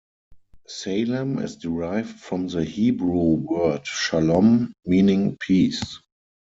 Salem is derived from the Hebrew word "shalom", meaning "peace".